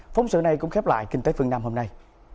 phóng sự này cũng khép lại kinh tế phương nam hôm nay